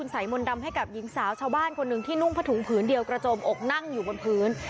ใส่มนต์ดำให้กับหญิงสาวชาวบ้านคนหนึ่งที่นุ่งผ้าถุงผืนเดียวกระโจมอกนั่งอยู่บนพื้น